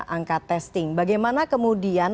angka testing bagaimana kemudian